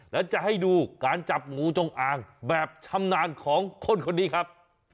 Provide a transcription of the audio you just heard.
แล้วจะให้ดูการจับงูจงอางแบบชำนาญของคนคนนี้ครับ